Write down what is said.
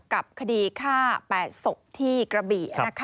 กับคดีฆ่า๘ศพที่กระบี่